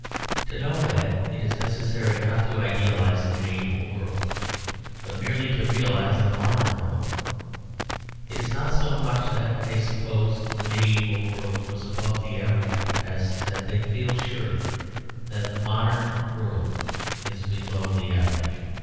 To know that, it is necessary not to idealise the medieval world, but merely to realise the modern world. It is not so much that they suppose the medieval world was above the average as that they feel sure the modern world is below the average.